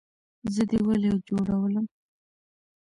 زه دې ولۍ جوړولم؟